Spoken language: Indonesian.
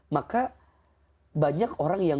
maka banyak orang yang